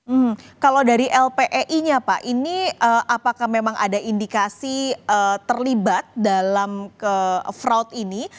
hmm kalau dari lpei nya pak ini apakah memang ada indikasi terlibat dalam fraud ini